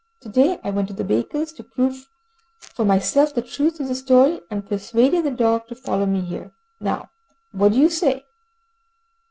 To day I went to the baker's, to prove for myself the truth of the story, and persuaded the dog to follow me here. Now what do you say?"